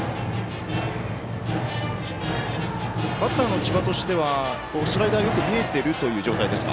バッターの千葉としてはスライダーよく見えているという状態ですか。